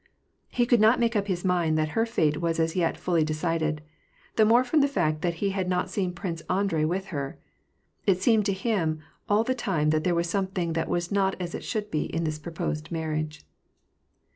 He could not make up his mind thiat her fate was as yet fully decided, the more from the fact that he had not seen Prince Andrei with her. It seemed to him all the time that there was something that was not as it should be in this proposed marriage.